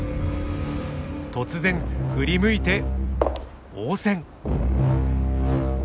突然振り向いて応戦。